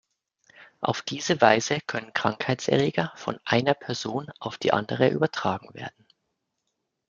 Auf diese Weise können Krankheitserreger von einer Person auf die andere übertragen werden.